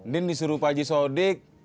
din disuruh pak haji sodik